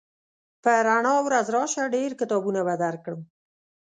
په رڼا ورځ راشه ډېر کتابونه به درکړم